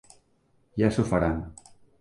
Ja s'ho faran.